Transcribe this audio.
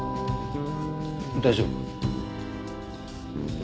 大丈夫？